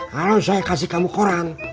kalau saya kasih kamu koran